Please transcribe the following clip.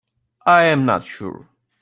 I am not sure.